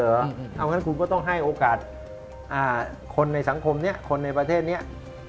เอางั้นคุณก็ต้องให้โอกาสคนในสังคมนี้คนในประเทศนี้